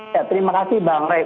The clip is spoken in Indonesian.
ya terima kasih bang rey